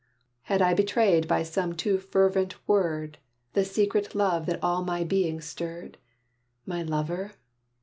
Had I betrayed by some too fervent word The secret love that all my being stirred? My lover?